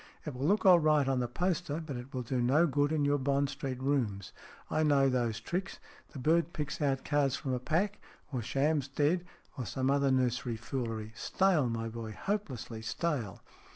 It will look all right on the poster, but it will do no good in your Bond Street rooms. I know those tricks. The bird picks out cards from a pack, or shams dead, or some other nursery foolery. Stale, my boy, hopelessly stale."